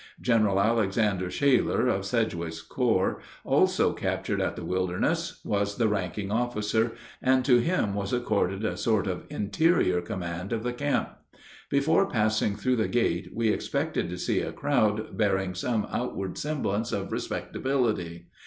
General Alexander Shaler, of Sedgwick's corps, also captured at the Wilderness, was the ranking officer, and to him was accorded a sort of interior command of the camp. Before passing through the gate we expected to see a crowd bearing some outward semblance of respectability.